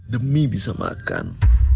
demi bisa makan